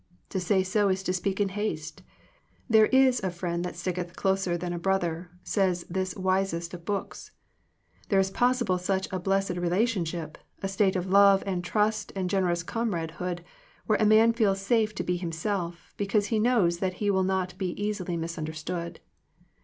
To say so is to speak in haste. There is a friend that sticketh closer than a brother, says this wisest of books. There is possible such a blessed relationship, a state of love and trust and generous com radehood, where a man feels safe to be himself, because he knows that he will not easily be misunderstood.